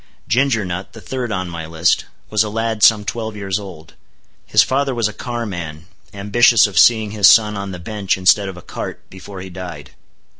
Ginger Nut, the third on my list, was a lad some twelve years old. His father was a carman, ambitious of seeing his son on the bench instead of a cart, before he died.